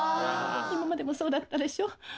今までもそうだったでしょ